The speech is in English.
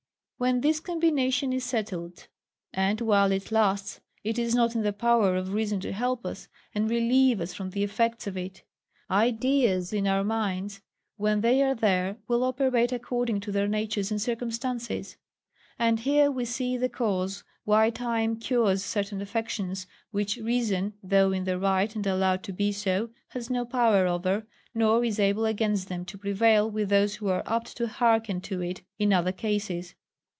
When this combination is settled, and while it lasts, it is not in the power of reason to help us, and relieve us from the effects of it. Ideas in our minds, when they are there, will operate according to their natures and circumstances. And here we see the cause why time cures certain affections, which reason, though in the right, and allowed to be so, has not power over, nor is able against them to prevail with those who are apt to hearken to it in other cases.